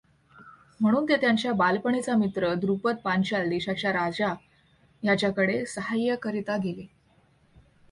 म्हणून ते त्यांचा बालपणीचा मित्र द्रुपद पांचाल देशाचा राजा ह्याच्याकडे साहाय्याकरिता गेले.